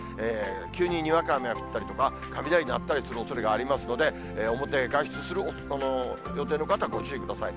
急ににわか雨が降ったりとか、雷鳴ったりするおそれがありますので、表へ外出する予定の方はご注意ください。